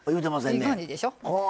いい感じでしょ。